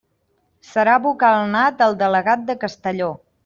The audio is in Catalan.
Serà vocal nat el delegat de Castelló.